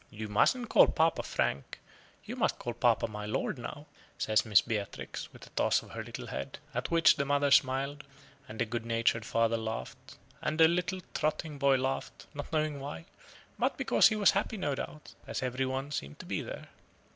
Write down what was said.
"You mustn't call papa, Frank; you must call papa my lord now," says Miss Beatrix, with a toss of her little head; at which the mother smiled, and the good natured father laughed, and the little trotting boy laughed, not knowing why but because he was happy, no doubt as every one seemed to be there.